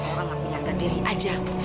orang gak punya agak diri aja